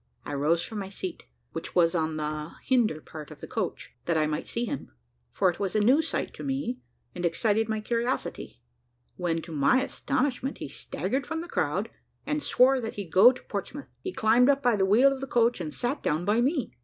I rose from my seat, which was on the hinder part of the coach, that I might see him, for it was a new sight to me, and excited my curiosity; when, to my astonishment, he staggered from the crowd, and swore that he'd go to Portsmouth. He climbed up by the wheel of the coach and sat down by me.